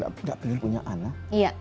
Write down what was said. gak pengen punya anak